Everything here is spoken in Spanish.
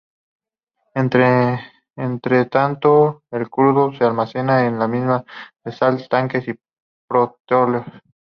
Entretanto, el crudo se almacena en las minas de sal, tanques y petroleros.